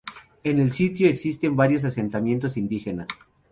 En el distrito existen varios asentamientos indígenas.